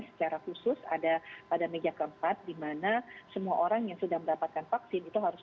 secara khusus ada pada meja keempat dimana semua orang yang sudah mendapatkan vaksin itu harus